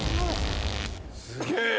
すげえよ！